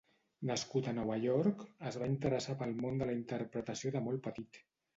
Nascut a Nova York, es va interessar pel món de la interpretació de molt petit.